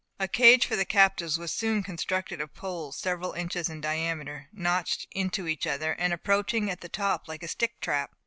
A cage for the captives was soon constructed, of poles several inches in diameter, notched into each other, and approaching at the top like a stick trap.